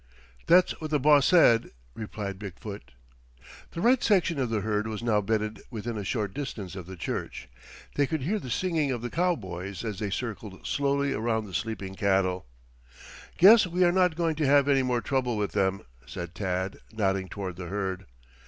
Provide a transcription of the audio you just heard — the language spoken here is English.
"That's what the boss said," replied Big foot. The right section of the herd was now bedded within a short distance of the church. They could hear the singing of the cowboys as they circled slowly around the sleeping cattle. "Guess we are not going to have any more trouble with them," said Tad, nodding toward the herd.